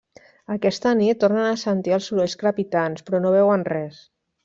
Aquesta nit, tornen a sentir els sorolls crepitants, però no veuen res.